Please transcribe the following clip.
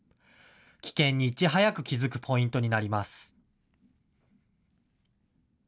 危険にいち早く気付くポイントになります。